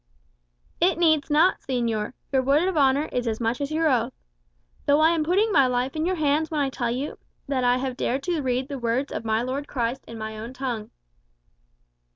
"It needs not, señor; your word of honour is as much as your oath. Though I am putting my life in your hands when I tell you that I have dared to read the words of my Lord Christ in my own tongue."